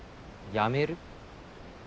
やめる？